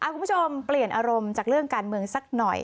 คุณผู้ชมเปลี่ยนอารมณ์จากเรื่องการเมืองสักหน่อย